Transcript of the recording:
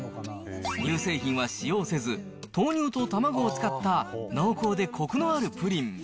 乳製品は使用せず、豆乳と卵を使った、濃厚でこくのあるプリン。